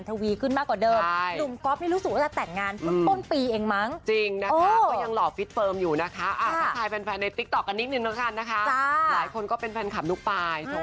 ดูปรานี่นางของคุณนุ๊กนั่นเองนะคะ